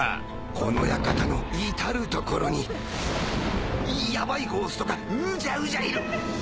この館の至る所にヤバいゴーストがうじゃうじゃいる！